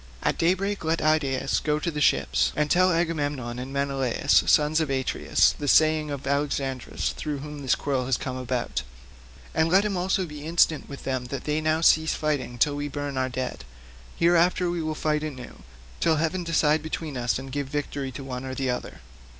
At daybreak let Idaeus go to the ships, and tell Agamemnon and Menelaus sons of Atreus the saying of Alexandrus through whom this quarrel has come about; and let him also be instant with them that they now cease fighting till we burn our dead; hereafter we will fight anew, till heaven decide between us and give victory to one or to the other."